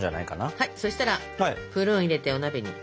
はいそしたらプルーン入れてお鍋に。